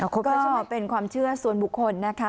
ก็เป็นความเชื่อส่วนบุคคลนะคะ